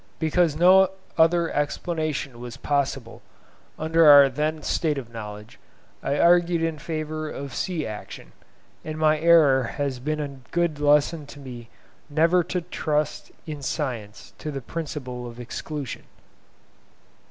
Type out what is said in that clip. Because no other explanation was possible under our then state of knowledge, I argued in favour of sea action; and my error has been a good lesson to me never to trust in science to the principle of exclusion.